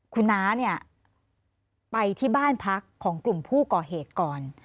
คุณน้าเนี่ยไปที่บ้านพักของกลุ่มผู้ก่อเหตุก่อน